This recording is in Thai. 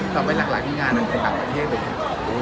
ต่อไปหลักหลายพี่งานอ่ะในต่างประเทศเลย